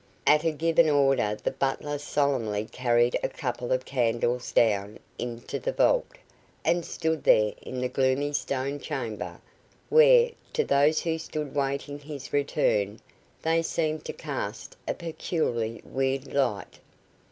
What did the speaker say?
At a given order the butler solemnly carried a couple of candles down into the vault, and stood there in the gloomy stone chamber, where, to those who stood waiting his return, they seemed to cast a peculiarly weird light.